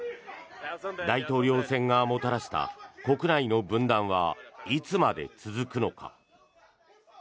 大統領選がもたらした国内の分断はいつまで続くのか。